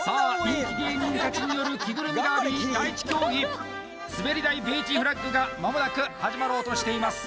人気芸人たちによる着ぐるみダービー第１競技すべり台ビーチフラッグが間もなく始まろうとしています